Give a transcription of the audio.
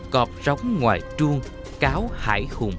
cọp rống ngoài trung cáo hạ